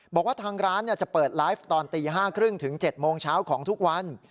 บอกว่าทางร้านจะเปิดไลฟ์ตอนตี๕๓๐ถึง๗โมงเช้าของทุกวัน